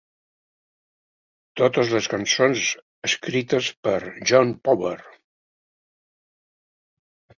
Totes les cançons escrites per John Power.